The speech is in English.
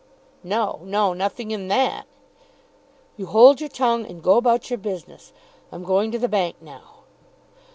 "No, no, nothing in that." "You hold your tongue, and go about your business. I'm going to the bank now."